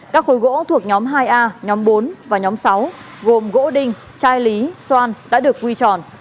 các khối gỗ thuộc nhóm hai a nhóm bốn và nhóm sáu gồm gỗ đinh chai lý xoan đã được quy tròn